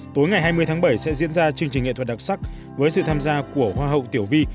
tối ngày hai mươi tháng bảy sẽ diễn ra chương trình nghệ thuật đặc sắc với sự tham gia của hoa hậu tiểu vi